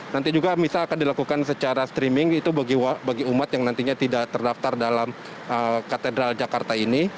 nanti juga misal akan dilakukan secara streaming itu bagi umat yang nantinya tidak terdaftar dalam katedral jakarta ini